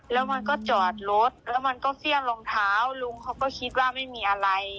แล้วมันก็จอดรถแล้วมันก็เสี้ยรองเท้าลุงเขาก็คิดว่าไม่มีอะไร